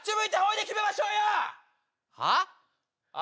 はあ！？